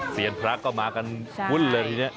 เสียงพระก็มากันวุ่นเลยทีนี้